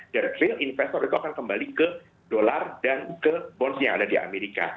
dan real investor itu akan kembali ke dolar dan ke bonds yang ada di amerika